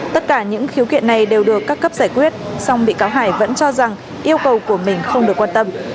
tất cả những khiếu kiện này đều được các cấp giải quyết song bị cáo hải vẫn cho rằng yêu cầu của mình không được quan tâm